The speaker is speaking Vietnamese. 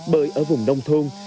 bởi ở vùng nông thôn